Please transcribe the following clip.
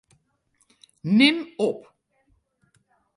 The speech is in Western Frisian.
Nim op.